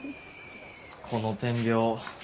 この点描